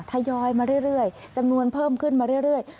ทยอยมาเรื่อยจำนวนเพิ่มขึ้นมาเรื่อย